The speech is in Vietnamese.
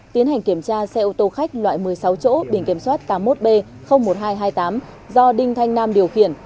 tiến hành kiểm tra xe ô tô khách loại một mươi sáu chỗ biển kiểm soát tám mươi một b một nghìn hai trăm hai mươi tám do đinh thanh nam điều khiển